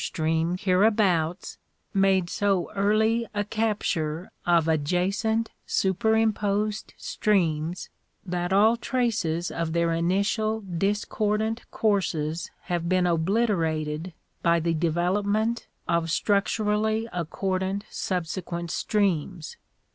99 stream hereabouts made so early a capture of adjacent superim posed streams that all traces of their initial discordant courses have been obliterated by the development of structurally accor dant subsequent streams.